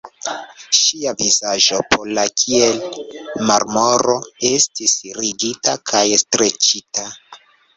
Ŝia vizaĝo, pala kiel marmoro, estis rigida kaj streĉita.